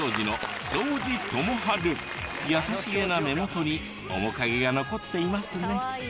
優しげな目元に面影が残っていますね。